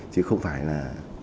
chứ không phải là